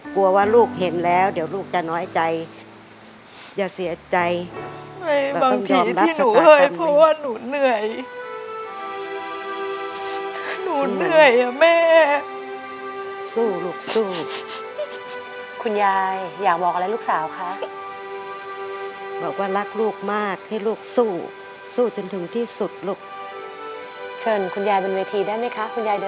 คุณแยร่เป็นเวทีได้มั้ยคะคุณแยร่เดินไหวมั้ยคะขอกอดกันซักทีได้ไหมคะคุณแยร่